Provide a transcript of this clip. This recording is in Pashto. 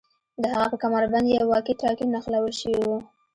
د هغه په کمربند یو واکي ټاکي نښلول شوی و